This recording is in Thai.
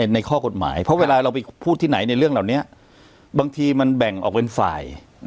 ในข้อกฎหมายเพราะเวลาเราไปพูดที่ไหนในเรื่องเหล่านี้บางทีมันแบ่งออกเป็นฝ่าย